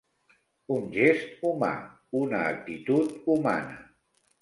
Un gest humà, una actitud humana.